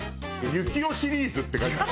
ゆきおシリーズって書いてある。